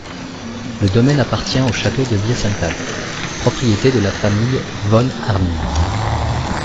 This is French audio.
Le domaine appartient au au château de Biesenthal, propriété de la famille von Arnim.